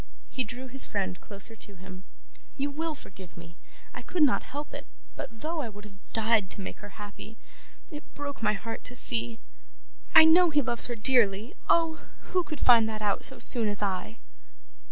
He drew his friend closer to him. 'You will forgive me; I could not help it, but though I would have died to make her happy, it broke my heart to see I know he loves her dearly Oh! who could find that out so soon as I?